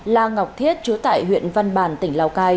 lan ngọc thiết chú tại huyện văn bàn tỉnh lào cai